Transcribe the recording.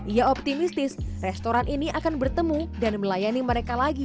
ia optimistis restoran ini akan bertemu dan melayani mereka lagi